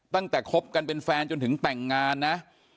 คบกันเป็นแฟนจนถึงแต่งงานนะ